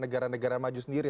negara negara maju sendiri